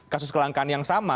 kasus kelangkan yang sama